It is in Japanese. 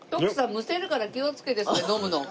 むせるから気をつけてそれ飲むの。